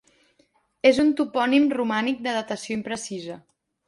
És un topònim romànic de datació imprecisa.